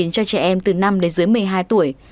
cho trẻ em từ năm đến dưới một mươi hai tuổi